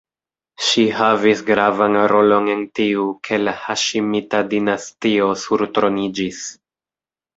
Ŝi havis gravan rolon en tiu, ke la Haŝimita-dinastio surtroniĝis.